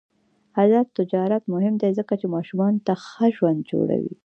آزاد تجارت مهم دی ځکه چې ماشومانو ته ښه ژوند جوړوي.